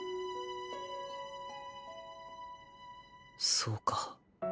そうか